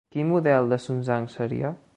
Quin model de Sunsgang seria?